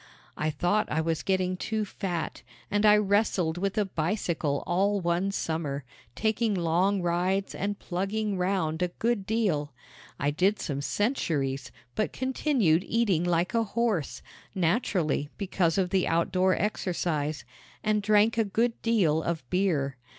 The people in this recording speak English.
I thought I was getting too fat, and I wrestled with a bicycle all one summer, taking long rides and plugging round a good deal. I did some centuries, but continued eating like a horse naturally because of the outdoor exercise and drank a good deal of beer.